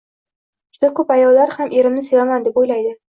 Juda koʻp ayollar ham erimni sevaman deb oʻylaydi